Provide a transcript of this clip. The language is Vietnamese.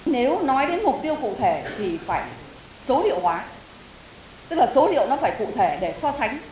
nếu nói đến mục tiêu cụ thể thì phải số liệu hóa tức là số liệu nó phải cụ thể để so sánh